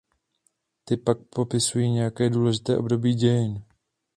Ty pak popisují nějaké důležité období dějin.